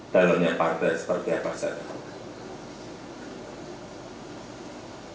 dalamnya partai seperti apa saya